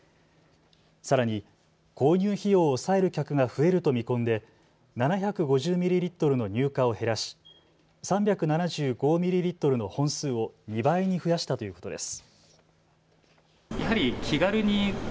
さらに購入費用を抑える客が増えると見込んで７５０ミリリットルの入荷を減らし３７５ミリリットルの本数を２倍に増やしたということです。